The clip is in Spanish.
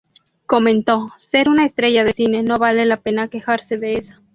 Comentó: "Ser una estrella de cine, no vale la pena quejarse de eso".